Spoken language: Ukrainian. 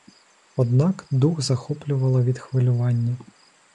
Однак дух захоплювало від хвилювання.